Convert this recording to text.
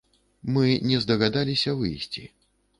Мы не здагадаліся выйсці.